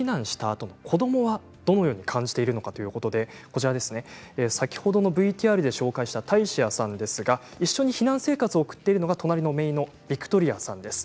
あと子どもはどのように感じているか先ほどのＶＴＲで紹介したタイシアさんですが一緒に避難生活を送っているのが隣のめいのビクトリアさんです。